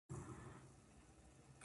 電池切れだ